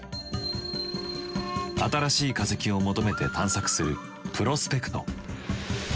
新しい化石を求めて探索するプロスペクト。